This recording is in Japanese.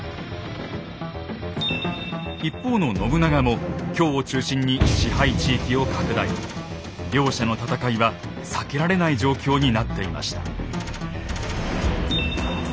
一方の信長も京を中心に支配地域を拡大。両者の戦いは避けられない状況になっていました。